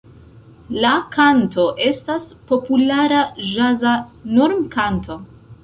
La kanto estas populara ĵaza normkanto.